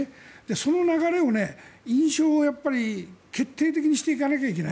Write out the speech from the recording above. その流れを、印象を決定的にしていかなきゃいけない。